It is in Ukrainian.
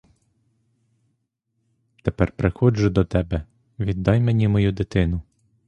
Тепер приходжу до тебе: віддай мені мою дитину.